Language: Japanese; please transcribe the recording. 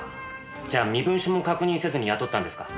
じゃあ身分証も確認せずに雇ったんですか？